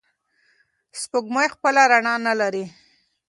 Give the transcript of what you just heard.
سپوږمۍ خپله رڼا نلري.